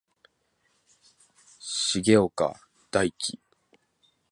重岡大毅